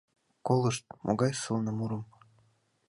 Колышт, могай сылне мурым